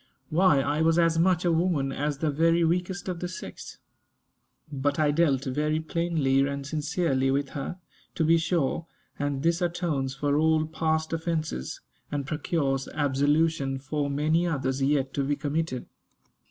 Why, I was as much a woman as the very weakest of the sex. But I dealt very plainly and sincerely with her, to be sure; and this atones for all past offences, and procures absolution for many others yet to be committed.